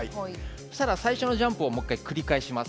そしたら最初のジャンプをもう１回繰り返します。